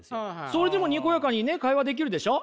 それでもにこやかにね会話できるでしょ？